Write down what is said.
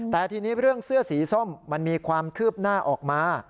แต่ทีนี้เรื่องเสื้อสีส้มมันมีความคืบหน้าออกมา